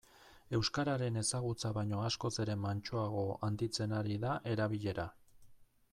Euskararen ezagutza baino askoz ere mantsoago handitzen ari da erabilera.